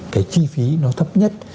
cái chi phí nó thấp nhất